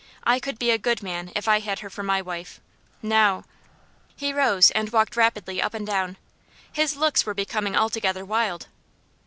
I could be a good man if I had her for my wife. Now " He rose, and walked rapidly up and down. His looks were becoming altogether wild.